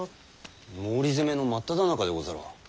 毛利攻めの真っただ中でござろう。